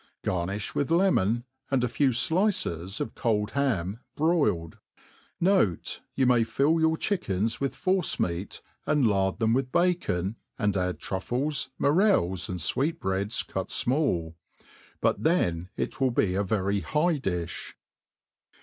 Garnifli with lemon^ and a few flices of cold ham broiled. Note, to THE ART OF COOKERY Note, You may fill your chickens with force meat, and hf*^ them with bacon, and add truffles, morels and fWeetbreadsj cut fmall ; but then it will be a very high difh..